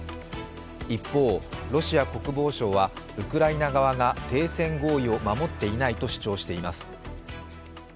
一方、ロシア国防省はウクライナ側が停戦合意を守っていないと主張しています。